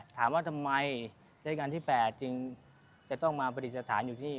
ถามว่าทำไมเส้นงานที่๘จึงจะต้องมาปฏิสถานอยู่ที่